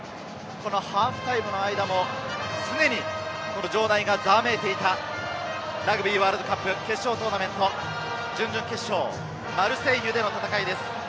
ハーフタイムの間も常に場内がざわめいていたラグビーワールドカップ決勝トーナメント準々決勝、マルセイユでの戦いです。